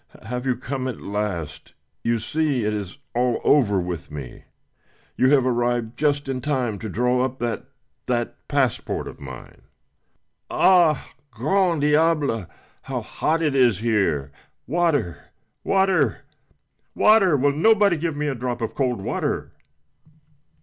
have you come at last? You see it is all over with me. You have arrived just in time to draw up that that passport of mine. Ah, grand diable! how hot it is here! Water water water! Will nobody give me a drop of cold water?"